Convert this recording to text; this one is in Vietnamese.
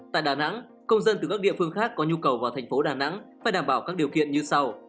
tại đà nẵng công dân từ các địa phương khác có nhu cầu vào thành phố đà nẵng phải đảm bảo các điều kiện như sau